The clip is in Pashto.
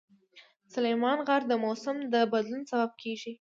سلیمان غر د موسم د بدلون سبب کېږي.